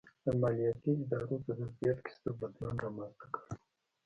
د مالیاتي ادارو په ظرفیت کې ستر بدلون رامنځته کړ.